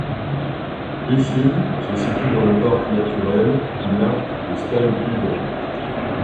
Husum se situe dans le parc naturel du lac de Steinhude.